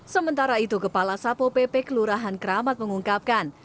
sementara itu kepala sapo pp kelurahan keramat mengungkapkan